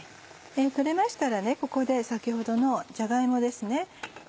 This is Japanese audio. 取れましたらここで先ほどのじゃが芋です。